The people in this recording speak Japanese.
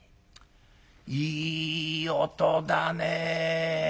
いい音だね。